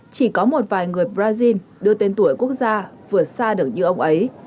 chỉ có một vài người brazil đưa tên tuổi quốc gia vừa xa được như ông ấy